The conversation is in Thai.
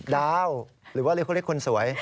ดาวหรือว่าเขาเรียกคนสวย